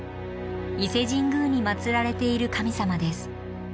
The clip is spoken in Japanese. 伊勢神宮にまつられている神様です。